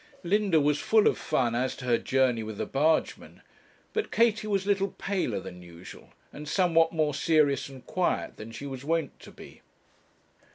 Linda was full of fun as to her journey with the bargeman; but Katie was a little paler than usual, and somewhat more serious and quiet than she was wont to be.